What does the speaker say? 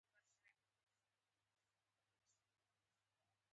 ګیلاس د یادونو عکس دی.